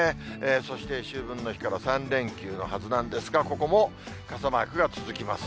そして秋分の日から３連休のはずなんですが、ここも傘マークが続きます。